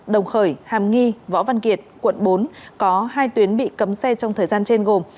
đồng khởi hàm nghi võ văn kiệt quận bốn có hai tuyến bị cấm xe trong thời gian trên gồm